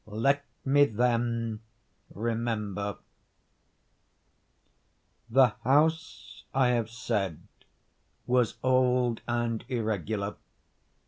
Let me then remember. The house, I have said, was old and irregular.